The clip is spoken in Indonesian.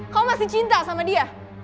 kau masih cinta sama dia